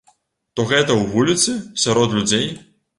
То гэта ў вуліцы, сярод людзей.